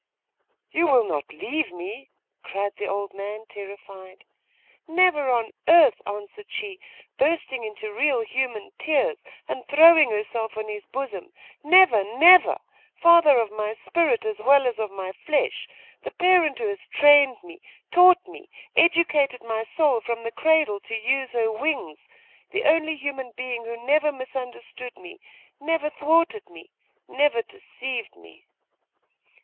'You will not leave me?' cried the old man, terrified. 'Never on earth!' answered she, bursting into real human tears, and throwing herself on his bosom. 'Never never! father of my spirit as well as of my flesh! the parent who has trained me, taught me, educated my soul from the cradle to use her wings! the only human being who never misunderstood me never thwarted me never deceived me!